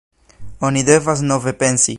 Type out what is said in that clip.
Oni devas nove pensi.